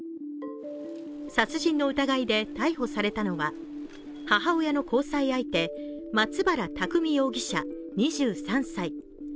殺人の疑いで逮捕されたのは母親の交際相手松原拓海容疑者２３歳。